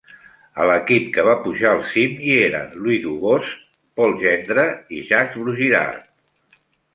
A l'equip que va pujar al cim, hi eren Louis Dubost, Paul Gendre i Jaques Brugirard.